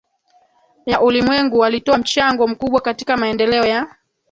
ya ulimwengu walitoa mchango mkubwa katika maendeleo ya